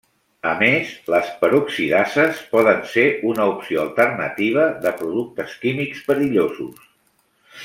A més les peroxidases poden ser una opció alternativa de productes químics perillosos.